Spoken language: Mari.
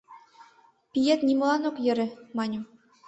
Пиет нимолан ок йӧрӧ, — маньым.